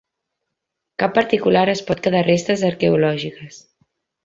Cap particular es pot quedar restes arqueològiques.